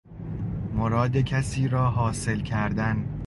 مراد کسی را حاصل کردن